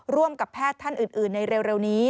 ร่วมกับแพทย์ท่านอื่นในเร็วนี้